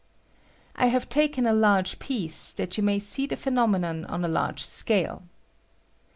I have taken a large piece, that you may see the phe nomenon on a large scale.